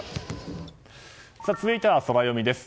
続いてはソラよみです。